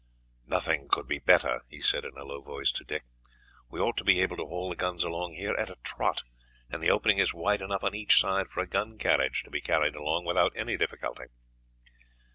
"Nothing could be better," he said in a low voice to Dick. "We ought to be able to haul the guns along here at a trot; and the opening is wide enough on each side for a gun carriage to be carried along without any difficulty."